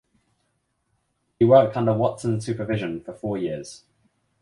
He worked under Watson’s supervision for four years.